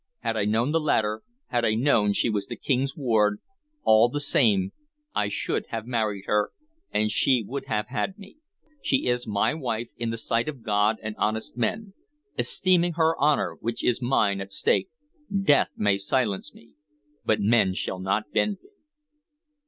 Had I known the latter, had I known she was the King's ward, all the same I should have married her, an she would have had me. She is my wife in the sight of God and honest men. Esteeming her honor, which is mine, at stake, Death may silence me, but men shall not bend me."